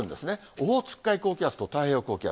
オホーツク海高気圧と太平洋高気圧。